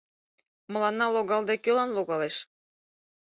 Мыланна логалде, кӧлан логалеш?